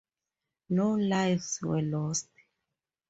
No lives were lost.